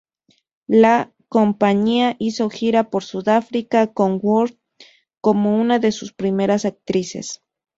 La compañía hizo gira por Sudáfrica con Worth como una de sus primeras actrices.